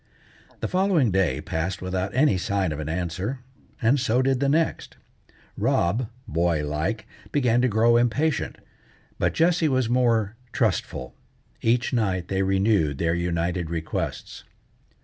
The following day passed without any sign of an answer, and so did the next. Rob, boy like, began to grow impatient, but Jessie was more trustful. Each night they renewed their united requests.